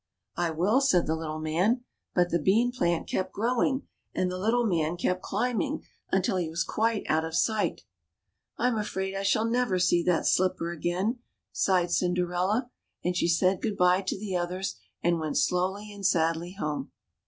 " I will," said the little man ; but the bean plant kept growing, and the little man kept climbing, until he was quite out of sight. "I'm afraid I never shall see that slipper again," sighed Cinderella ; and she said good by to the others and went slowly and sadly home.